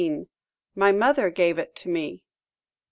"MY MOTHER GAVE IT TO ME."